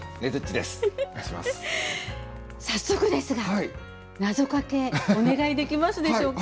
早速ですがなぞかけお願いできますでしょうか。